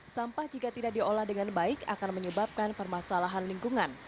sampah jika tidak diolah dengan baik akan menyebabkan permasalahan lingkungan